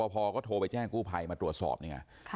พอก็โทรไปแจ้งกู้ภัยมาตรวจสอบนี่ไง